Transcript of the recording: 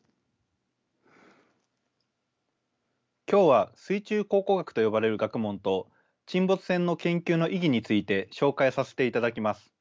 今日は水中考古学と呼ばれる学問と沈没船の研究の意義について紹介させていただきます。